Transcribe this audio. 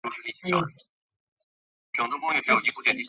决定开始来读书